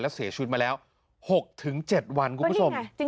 และเสียชีวิตมาแล้ว๖๗วันคุณผู้ชม